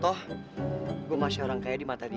toh gue masih orang kaya di mata dia